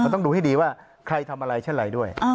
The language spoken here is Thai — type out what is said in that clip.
ต้องดูให้ดีว่าใครทำอะไรเช่นอะไรด้วย